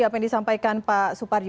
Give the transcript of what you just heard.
apa yang disampaikan pak suparji